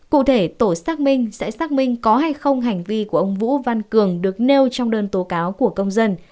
cụ thể tổ xác minh sẽ xác minh có hay không hành vi của ông vũ văn cường được nêu trong đơn tố cáo của công dân